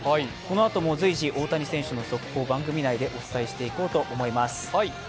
このあとも随時、大谷選手の速報、番組内でお伝えしていこうと思います。